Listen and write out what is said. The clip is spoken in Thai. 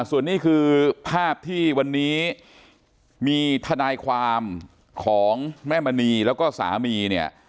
ส่วนนี้คือภาพที่วันนี้มีทนายความของแม่มณีแล้วก็สามีเนี่ย